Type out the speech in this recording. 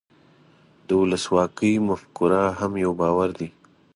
د ولسواکۍ مفکوره هم یو باور دی.